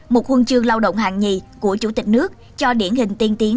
một huân chương lao động hạng nhì của chủ tịch nước cho điển hình tiên tiến